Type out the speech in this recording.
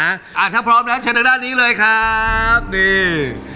อ่าถ้าพร้อมนะครับเชิญทางด้านนี้เลยครับนี่